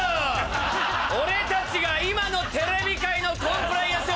俺たちが今のテレビ界のコンプライアンスを